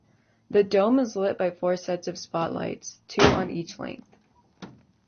The dome is lit by four sets of spotlights, two on each length.